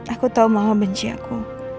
aku tahu mama benci aku